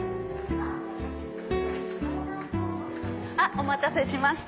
お待たせしました。